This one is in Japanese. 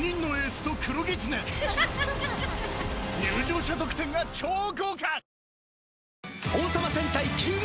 入場者特典が超豪華！